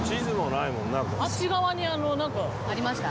あっち側にあのなんか。ありました？